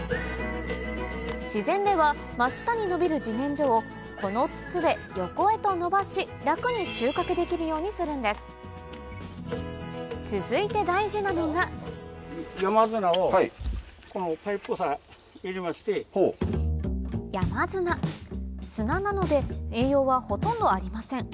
自然では真下に伸びる自然薯をこの筒で横へと伸ばし楽に収穫できるようにするんです続いて大事なのが山砂砂なので栄養はほとんどありません